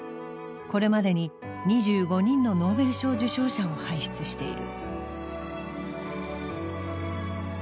これまでに２５人のノーベル賞受賞者を輩出している。